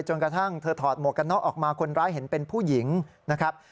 จนกระทั่งเธอถอดหมวกกันน็อกออกมาคนร้ายเห็นเป็นผู้หญิงนะครับ